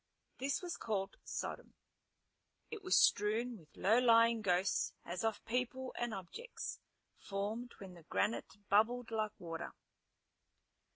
This was called Sodom. It was strewn with low lying ghosts as of people and objects, formed when the granite bubbled like water.